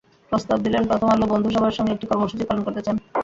প্রস্তাব দিলেন প্রথম আলো বন্ধুসভার সঙ্গে একটি কর্মসূচি পালন করতে চান।